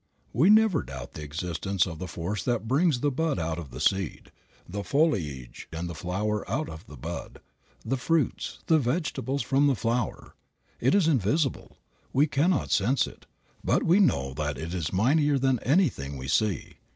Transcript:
We never doubt the existence of the force that brings the bud out of the seed, the foliage and the flower out of the bud, the fruits, the vegetables from the flower. It is invisible. We cannot sense it, but we know that it is mightier than anything we see.